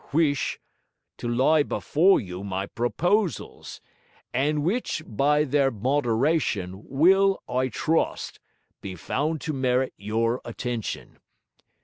Huish, to l'y before you my proposals, and w'ich by their moderytion, Will, I trust, be found to merit your attention.